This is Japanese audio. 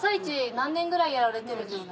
何年ぐらいやられてるんですか？